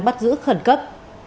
bắt giữ khẩn cấp